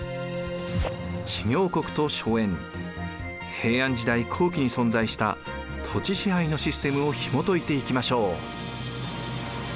平安時代後期に存在した土地支配のシステムをひもといていきましょう。